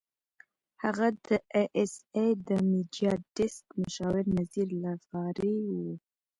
هغه د اى ايس اى د میډیا ډیسک مشاور نذیر لغاري وو.